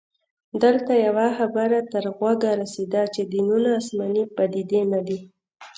دلته يوه خبره تر غوږه رسیده چې دینونه اسماني پديدې نه دي